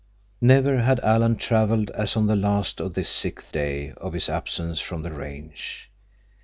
Never had Alan traveled as on the last of this sixth day of his absence from the range.